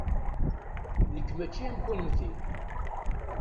Nekk maci am kennemti!